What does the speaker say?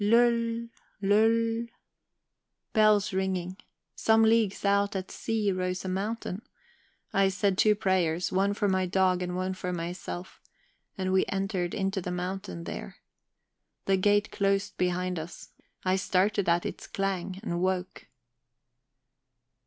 Lul! lul! Bells ringing! Some leagues out at sea rose a mountain. I said two prayers, one for my dog and one for myself, and we entered into the mountain there. The gate closed behind us; I started at its clang, and woke.